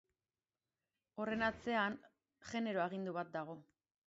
Horren atzean genero agindu bat dago.